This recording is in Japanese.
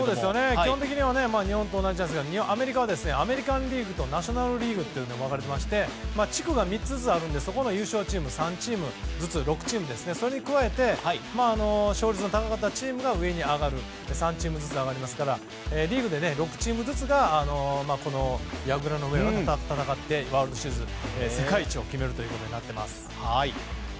基本的には日本と同じですがアメリカはアメリカン・リーグとナショナル・リーグに分かれていて地区が３つずつありますのでそこの優勝チーム３チームずつの６チームそれに加えて勝率の高かったチームが３チームずつ上がりますからリーグで６チームずつが戦ってワールドシリーズで世界一を決めます。